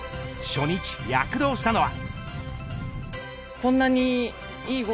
初日、躍動したのは。